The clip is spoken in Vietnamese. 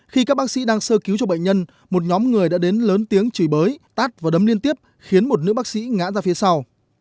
khi các bác sĩ đang sơ cứu cho bệnh nhân một nhóm người đã đến lớn tiếng chỉ bới tát và đấm liên tiếp khiến một nữ bác sĩ ngã ra phía sau